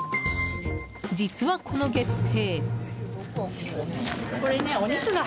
実は、この月餅。